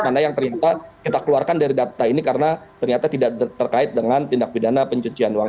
mana yang ternyata kita keluarkan dari data ini karena ternyata tidak terkait dengan tindak pidana pencucian uang